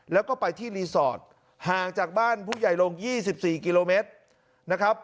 แล้วก็ไปที่รีสอร์ทห่างจากบ้านผู้ใหญ่ลง๒๔กิโลเมตรนะครับ